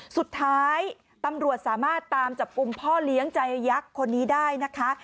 สุดท้ายตำรวจสามารถตามจับกลุ่มพ่อเลี้ยงใจยักษ์คนนี้ได้นะคะ